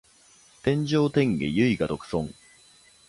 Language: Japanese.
天上天下唯我独尊